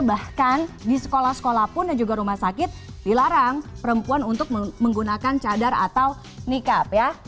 bahkan di sekolah sekolah pun dan juga rumah sakit dilarang perempuan untuk menggunakan cadar atau nikab ya